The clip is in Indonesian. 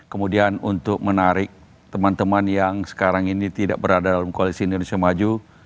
kemudian untuk menarik teman teman yang sekarang ini tidak berada dalam koalisi indonesia maju